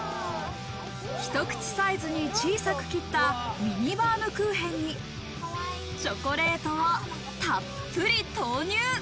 一口サイズに小さく切ったミニバームクーヘンにチョコレートをたっぷり投入。